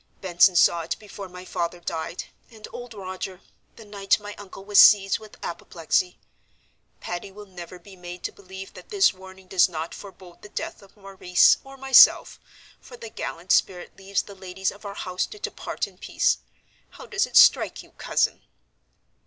Benson saw it before my father died, and old Roger, the night my uncle was seized with apoplexy. Patty will never be made to believe that this warning does not forebode the death of Maurice or myself, for the gallant spirit leaves the ladies of our house to depart in peace. How does it strike you, Cousin?"